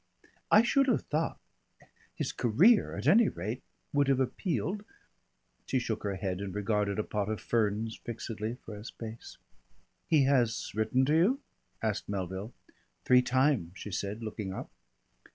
I should have thought his career at any rate would have appealed...." She shook her head and regarded a pot of ferns fixedly for a space. "He has written to you?" asked Melville. "Three times," she said, looking up.